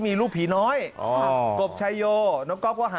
ปลูกมะพร้าน้ำหอมไว้๑๐ต้น